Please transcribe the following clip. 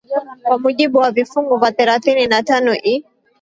kwa mujibu wa vifungu vya thelathini na tano i